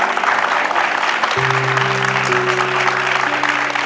สวัสดีครับ